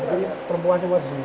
ini perempuan semua di sini